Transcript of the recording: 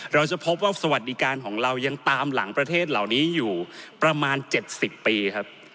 เราจะพบว่าสวัสดิการของเรายังตามหลังประเทศเหล่านี้อยู่ประมาณ๗๐ปีครับ